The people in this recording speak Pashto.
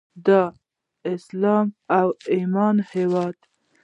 د اسلام او ایمان هیواد.